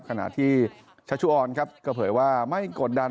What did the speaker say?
ขณะที่ชัชชุออนครับก็เผยว่าไม่กดดัน